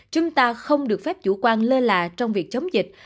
chúng ta không được phép chủ quan lơ là trong việc chống dịch